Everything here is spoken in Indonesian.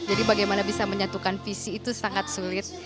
jadi bagaimana bisa menyatukan visi itu sangat sulit